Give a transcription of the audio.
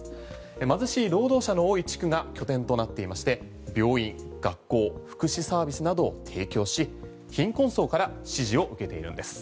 貧しい労働者の多い地区が拠点となっていまして病院、学校福祉サービスなどを提供し貧困層から支持を受けているんです。